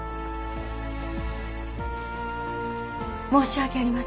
申し訳ありません。